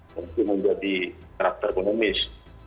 tentu menjadi karakter ekonomis